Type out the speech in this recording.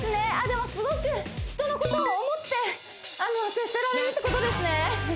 でもすごく人のことを思って接せられるってことですね